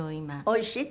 おいしい？